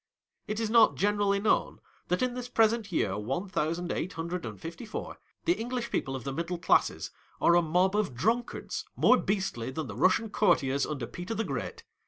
It is not generally known that in this pre sent year one thousand eight hundred ;uid ; fifty four, the English people of the middle ! classes are a mob of drunkards more beastly than the Russian courtiers under Peter the ! Great.